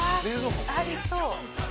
「ありそう」